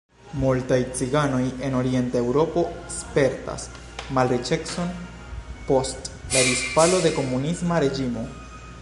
Multaj ciganoj en Orienta Eŭropo spertas malriĉecon post la disfalo de komunisma reĝimo.